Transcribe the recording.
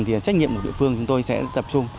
thì trách nhiệm của địa phương chúng tôi sẽ tập trung